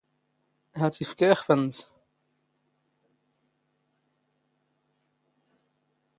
ⵀⴰⵜ ⵉⴼⴽⴰ ⵉⵅⴼ ⵏⵏⵙ.